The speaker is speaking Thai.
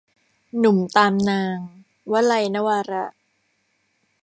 หนุ่มตามนาง - วลัย นวาระ